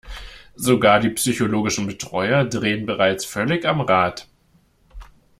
Sogar die psychologischen Betreuer drehen bereits völlig am Rad.